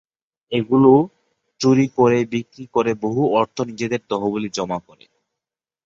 এগুলো চুরি করে বিক্রি করে বহু অর্থ নিজেদের তহবিলে জমা করে।